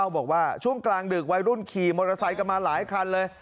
บอกว่าช่วงกลางดึกวัยรุ่นขี่มอเตอร์ไซค์กันมาหลายคันเลย